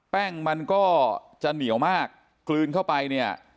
แป้งมันก็จะเหนียวมากกลืนเข้าไปเนี่ย